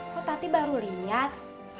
kok tadi baru liat